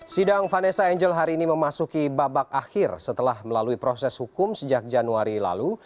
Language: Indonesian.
sidang vanessa angel hari ini memasuki babak akhir setelah melalui proses hukum sejak januari lalu